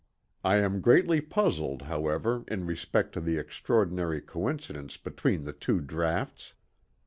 I am greatly puzzled, however, in respect to the extraordinary coincidence between the two draughts.